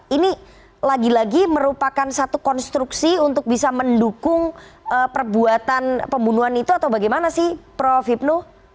ini lagi lagi merupakan satu konstruksi untuk bisa mendukung perbuatan pembunuhan itu atau bagaimana sih prof hipnu